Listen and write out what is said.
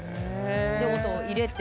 で音を入れて。